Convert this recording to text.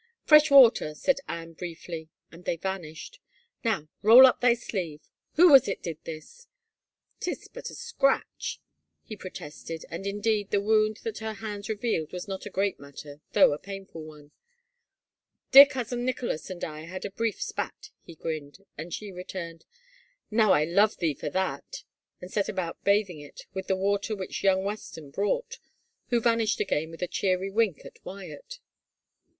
" Fresh water," said Anne briefly and they vanished. Now roll up thy sleeve — who was it did this ?" Tis but a scratch," he protested and indeed the wound that her hands revealed was not a great matter though a painful one. " Dear cousin Nicholas and I had a brief spat," he grinned, and she returned, " Now I love thee for that !" and set about bathing it with the water which young Weston brought, who vanished again with a cheery wink at Wyatt.